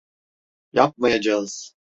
Yapmayacağız.